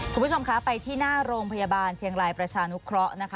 คุณผู้ชมคะไปที่หน้าโรงพยาบาลเชียงรายประชานุเคราะห์นะคะ